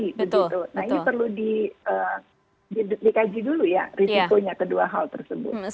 ini perlu dikaji dulu risikonya kedua hal tersebut